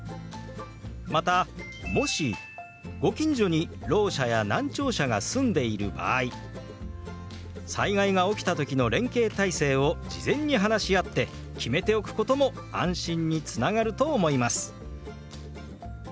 またもしご近所にろう者や難聴者が住んでいる場合災害が起きた時の連携体制を事前に話し合って決めておくことも安心につながると思います。